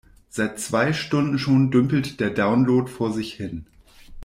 Seit zwei Stunden schon dümpelt der Download vor sich hin.